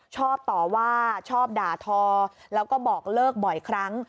ชอบต่อว่าชอบด่าทอแล้วก็บอกเลิกบ่อยครั้ง